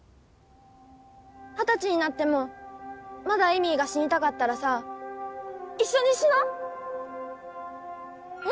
二十歳になってもまだエミーが死にたかったらさ一緒に死のう？